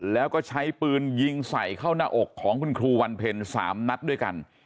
แล้วก็ใช้ปืนยิงใส่เข้าหน้าอกของคุณครูวันเพ็ญ๓นัดด้วยกัน